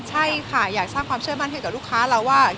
ใช่ค่ะอยากสร้างความเชื่อมั่นให้กับลูกค้าเราว่า